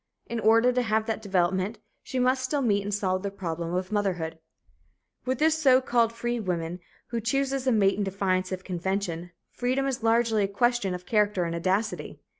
In order to have that development, she must still meet and solve the problem of motherhood. With the so called "free" woman, who chooses a mate in defiance of convention, freedom is largely a question of character and audacity.